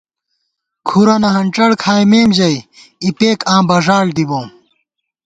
کُھرَنہ ہنڄڑ کھائیمېم ژَئی، اِپېک آں بݫاڑ دِی بوم